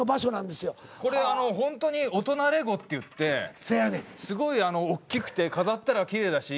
これあのほんとに大人レゴっていってすごいおっきくて飾ったらきれいだし。